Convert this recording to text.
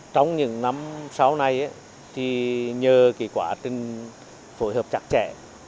trong những năm sau này nhờ kỳ quả phối hợp chặt chẽ